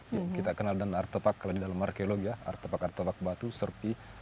yang kita kenal dengan artefak kalau di dalam markelom ya artefak artefak batu serpi